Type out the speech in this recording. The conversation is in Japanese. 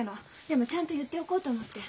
でもちゃんと言っておこうと思って。